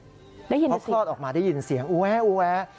ได้ยินเสียงพอคลอดออกมาได้ยินเสียงอุแวะ